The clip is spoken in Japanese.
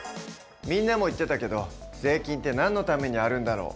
みんなも言ってたけど税金ってなんのためにあるんだろう？